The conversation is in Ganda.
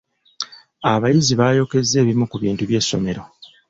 Abayizi baayokezza ebimu ku bintu by’essomero.